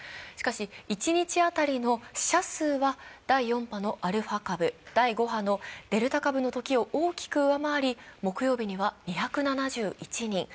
しかし一日当たりの死者数は第４波のアルファ株、第５波のデルタ株のときを大きく上回り、木曜日には２７１人。